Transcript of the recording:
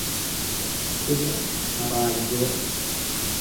Cibra habaayyoo